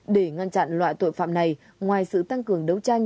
để ngăn chặn loại tội phạm này ngoài sự tăng cường đấu tranh